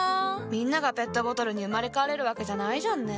みんながペットボトルに生まれ変われるわけじゃないじゃんね。